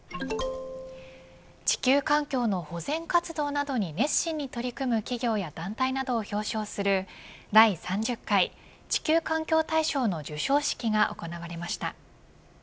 地球環境の保全活動などに熱心に取り組む企業や団体などを表彰する第３０回地球環境大賞の授賞式が行われました。